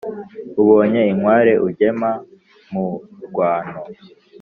ubonye inkarwe ugema mu rwano,